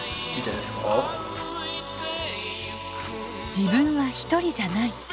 自分は一人じゃない。